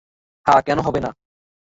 হ্যাঁ, কেন হবে না।